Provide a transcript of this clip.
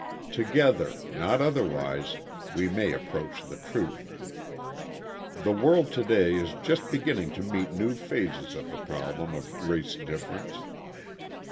Together not otherwise we may approach the truth. The world to day is just beginning to meet new phases of the problem of race difference.